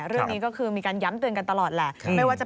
เรื่องนี้ก็คือมีการย้ำเตือนกันตลอดแหละ